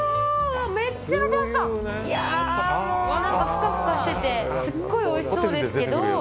ふかふかしててすごくおいしそうですけど。